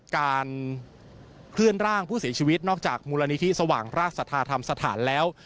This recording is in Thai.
การเคลื่อนร่างผู้เสียชีวิตนอกจากมูลนิธิสว่างราชสัทธาธรรมสถานแล้ว